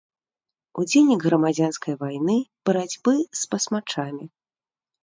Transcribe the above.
Удзельнік грамадзянскай вайны, барацьбы с басмачамі.